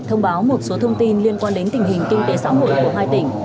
thông báo một số thông tin liên quan đến tình hình kinh tế xã hội của hai tỉnh